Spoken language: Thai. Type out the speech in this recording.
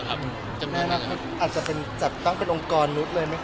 อาจจะเป็นตั้งโงกรตรงนี้